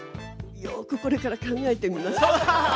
よーくこれから考えてみます。